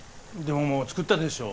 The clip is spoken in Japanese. でももう作ったでしょ。